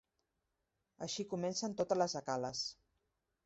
Així comencen totes les ecales.